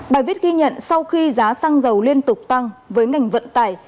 bài viết ghi nhận sau khi giá xăng dầu liên tục tăng với ngành vận tải